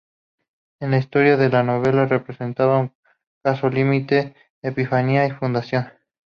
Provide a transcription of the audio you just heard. En la historia de la novela representa un caso límite: epifanía y fundación.